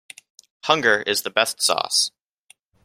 Hunger is the best sauce.